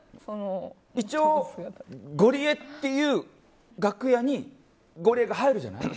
一応、ゴリエっていう楽屋にゴリエが入るじゃない。